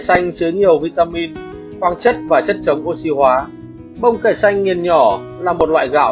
xanh chứa nhiều vitamin khoáng chất và chất chống oxy hóa bông cải xanh nghiền nhỏ là một loại gạo